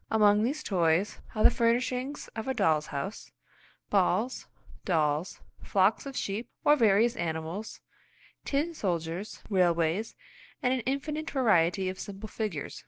Among these toys, are the furnishings of a doll's house, balls, dolls, trees, flocks of sheep, or various animals, tin soldiers, railways, and an infinite variety of simple figures.